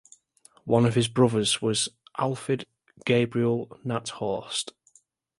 One of his brothers was Alfred Gabriel Nathorst.